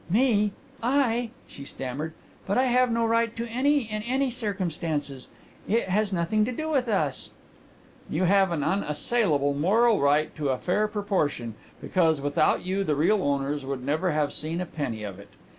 "Me I?" she stammered. "But I have no right to any in any circumstances. It has nothing to do with us." "You have an unassailable moral right to a fair proportion, because without you the real owners would never have seen a penny of it.